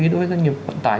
đối với doanh nghiệp vận tải